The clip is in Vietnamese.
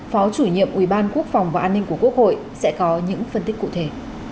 phó chủ nhiệm ubnd của quốc hội sẽ có những phân tích cụ thể